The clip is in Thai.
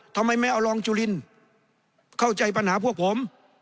ทำไมไม่เอารองจุลินเข้าใจปัญหาพวกผม